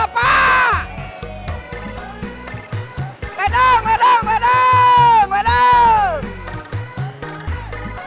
padang padang padang